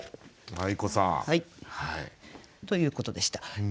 まい子さん。ということでした。